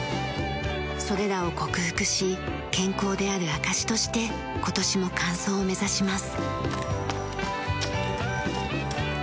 それらを克服し健康である証しとして今年も完走を目指します。